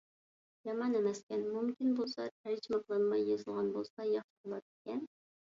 يامان ئەمەسكەن. مۇمكىن بولسا تەرجىمە قىلىنماي يېزىلغان بولسا ياخشى بولاتتىكەن.